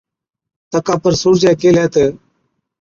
تڪا پر سُورجَي ڪيهلَي تہ،